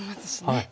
はい。